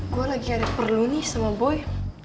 gue lagi ada perlu nih sama boy